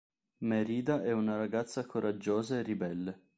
Merida è una ragazza coraggiosa e ribelle.